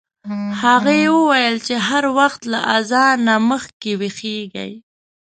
هغې وویل چې هر وخت له اذان مخکې ویښیږي.